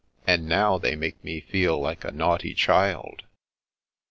And now they make me feel like a naughty child."